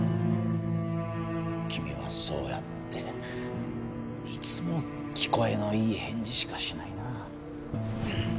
君はそうやっていつも聞こえのいい返事しかしないな。